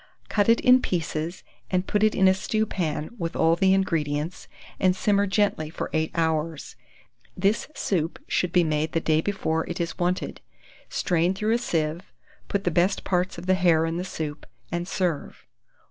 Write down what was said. Cut it in pieces, and put it in a stewpan with all the ingredients, and simmer gently for 8 hours. This soup should be made the day before it is wanted. Strain through a sieve, put the best parts of the hare in the soup, and serve.